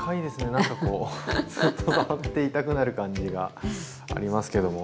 何かこうずっと触っていたくなる感じがありますけども。